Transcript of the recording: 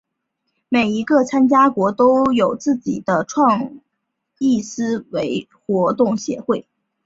每一个参加国都有自己的创意思维活动协会。